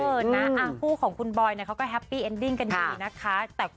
คู่ของคุณบอยเขาก็แฮปปี้เอ็นดิ้งกันดีนะคะ